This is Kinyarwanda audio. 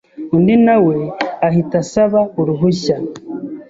undi na we ahita asaba uruhushya